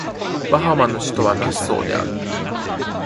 バハマの首都はナッソーである